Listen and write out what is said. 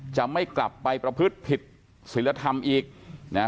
จะไม่กลับไปประพฤติผิดศิลธรรมอีกนะฮะ